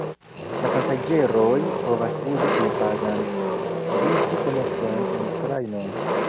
La pasaĝeroj povas uzi senpagan vifi-konekton en trajnoj.